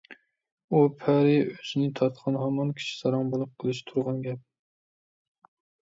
ئۇ پەرى ئۆزىنى تارتقان ھامان كىشى ساراڭ بولۇپ قېلىشى تۇرغان گەپ.